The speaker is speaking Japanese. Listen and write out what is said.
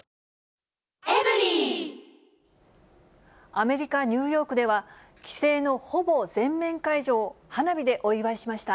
アメリカ・ニューヨークでは、規制のほぼ全面解除を花火でお祝いしました。